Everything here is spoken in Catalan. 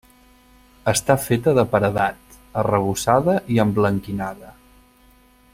Està feta de paredat, arrebossada i emblanquinada.